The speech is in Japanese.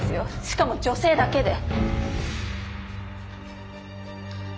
しかも女性だけで。